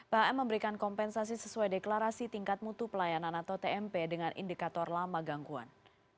phm memberikan kompensasi sesuai deklarasi tingkat mutu pelayanan atau tmp dengan indikator lama gangguan